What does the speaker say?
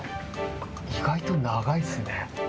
意外と長いっすね。